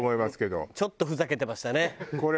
ちょっとふざけてましたね。